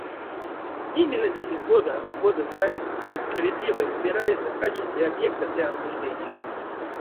Именно здесь из года в год Израиль несправедливо избирается в качестве объекта для осуждения.